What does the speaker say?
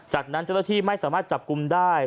จากนั้นเจ้าหน้าที่ไม่สามารถจับกลุ่มได้